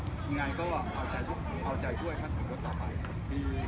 กูใช่ไงก็พอแต่ก่อนพันทุกวันต่อไป